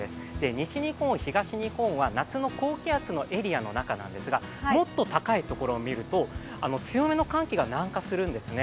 西日本、東日本は夏の高気圧のエリアの中なんですがもっと高いところを見ると、強めの寒気が南下するんですね。